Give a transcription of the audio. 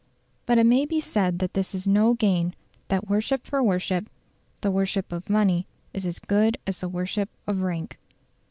But it may be said that this is no gain; that worship for worship, the worship of money is as good as the worship of rank.